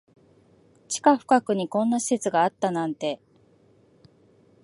地下深くにこんな施設があったなんて